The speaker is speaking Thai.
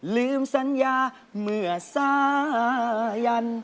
ลืมสัญญาเมื่อสายัน